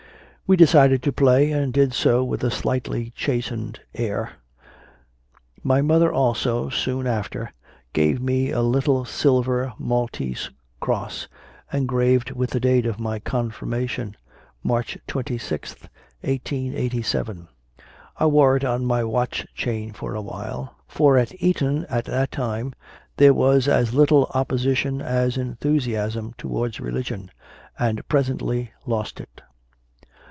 We decided to play, and did so with a slightly chastened air. My mother also, soon after, gave me a little silver Maltese cross, engraved with the date of my confirmation March 26, 1887. I wore it on my watch chain for a while for at Eton at that time there was as little opposition as enthusi asm towards religion and presently lost it.